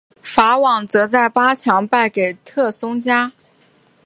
法网则在八强败给特松加。